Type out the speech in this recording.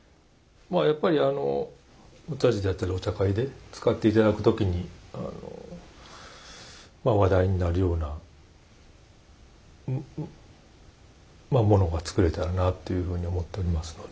やっぱりあのお茶事だったりお茶会で使って頂く時にまあ話題になるようなものが作れたらなっていうふうに思っておりますので。